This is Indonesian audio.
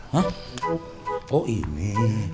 hah oh ini